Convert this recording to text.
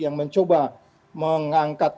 yang mencoba mengangkat